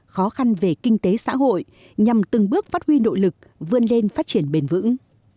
khó khăn về kinh tế xã hội nhằm từng bước phát huy nội lực vươn lên phát triển bền vững